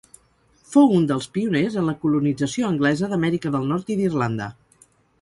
Fou un dels pioners en la colonització anglesa d'Amèrica del Nord i d'Irlanda.